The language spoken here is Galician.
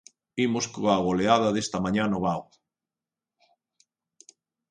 Imos coa goleada desta mañá no Vao.